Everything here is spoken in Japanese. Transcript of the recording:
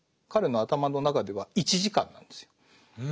彼の頭の中では１時間なんですよ。